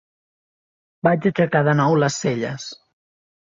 Vaig aixecar de nou les celles.